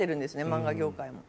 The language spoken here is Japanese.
漫画業界も。